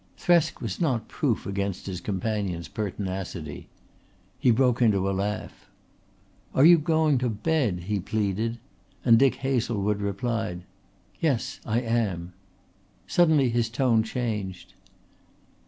Thresk was not proof against his companion's pertinacity. He broke into a laugh. "Are you going to bed?" he pleaded, and Dick Hazlewood replied, "Yes I am." Suddenly his tone changed.